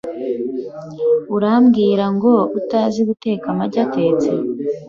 Urambwira ngo utazi guteka amagi atetse?